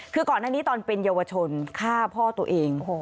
คือก่อนหน้านี้ตอนเป็นเยาวชนฆ่าพ่อตัวเอง